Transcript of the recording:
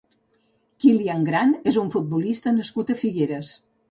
Kilian Grant és un futbolista nascut a Figueres.